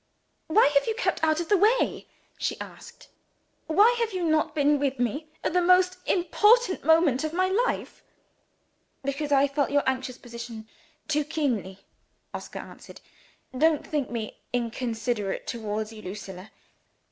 "Why have you kept out of the way?" she asked. "Why have you not been with me, at the most important moment of my life?" "Because I felt your anxious position too keenly," Oscar answered. "Don't think me inconsiderate towards you, Lucilla.